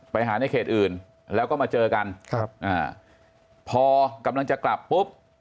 ไปหาในเขตอื่นแล้วก็มาเจอกันครับอ่าพอกำลังจะกลับปุ๊บ